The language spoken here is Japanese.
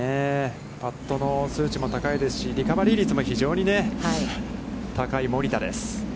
パットの数値も高いですし、リカバリー率も非常に高い森田です。